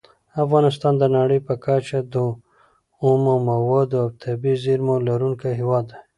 افغانستان د نړۍ په کچه د اومو موادو او طبیعي زېرمو لرونکی هیواد دی.